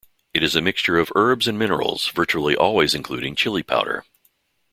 It is a mixture of herbs and minerals, virtually always including chilli powder.